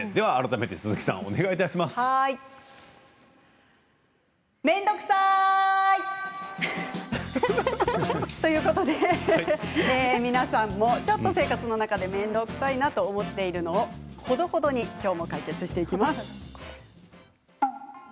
めんどくさい！ということで皆さんもちょっと生活の中でめんどくさいなと思っていることをきょうもほどほどに解決していきます。